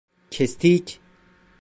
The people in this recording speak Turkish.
Kestik!